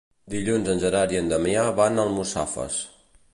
Dilluns en Gerard i en Damià van a Almussafes.